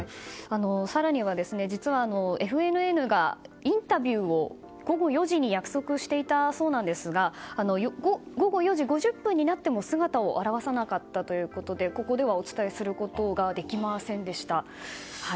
更にはＦＮＮがインタビューを午後４時に約束していたそうなんですが午後４時５０分になっても姿を現さなかったということでここではお伝えすることができませんでした。